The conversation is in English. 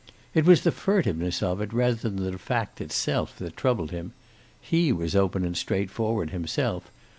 It was the furtiveness of it rather than the fact itself that troubled him. He was open and straightforward himself.